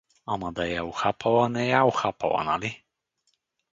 Ама да я ухапала, не я е ухапала, нали?